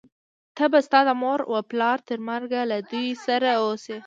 ته به ستا د مور و پلار تر مرګه له دوی سره اوسې،